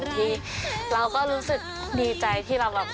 ที่เราก็รู้สึกดีใจที่เรา